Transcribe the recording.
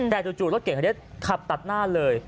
แต่จู่รถเก่งคันนี้ขับตัดหน้าเลย